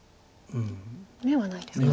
眼はないですか。